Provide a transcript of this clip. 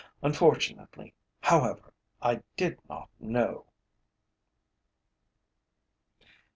Unfortunately, however, I did not know!